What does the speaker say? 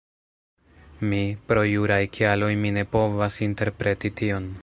Mi, pro juraj kialoj mi ne povas interpreti tion